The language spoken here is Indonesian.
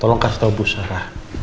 tolong kasih tau bu sara